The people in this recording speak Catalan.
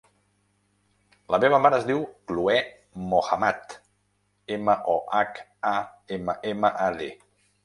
La meva mare es diu Cloè Mohammad: ema, o, hac, a, ema, ema, a, de.